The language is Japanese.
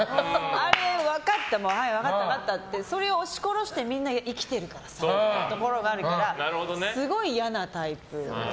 あれ、分かった分かったってそれを押し殺してみんな生きてるからさっていうところがあるからすごい嫌なタイプ。